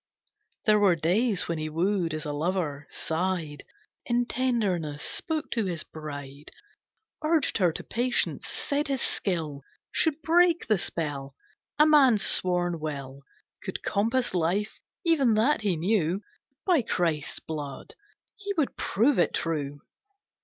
There were days when he wooed as a lover, sighed In tenderness, spoke to his bride, Urged her to patience, said his skill Should break the spell. A man's sworn will Could compass life, even that, he knew. By Christ's Blood! He would prove it true!